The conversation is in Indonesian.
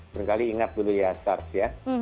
pertama kali ingat dulu ya sars ya